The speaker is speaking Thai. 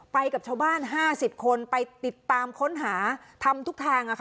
กับชาวบ้าน๕๐คนไปติดตามค้นหาทำทุกทาง